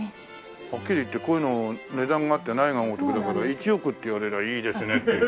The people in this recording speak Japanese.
はっきり言ってこういうの値段があってないようなものだから１億って言われればいいですねっていう。